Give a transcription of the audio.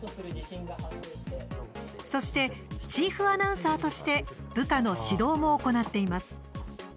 そしてチーフアナウンサーとして部下の指導も行っています。